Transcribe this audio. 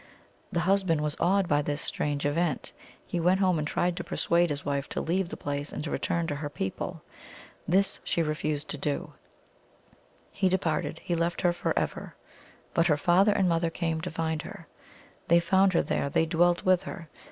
The husband was awed by this strange event. He went home, and tried to persuade his wife to leave the place and to return to her people. This she refused to do. He departed ; he left her forever. But her father and mother came to find her. They found her there ; they dwelt with her.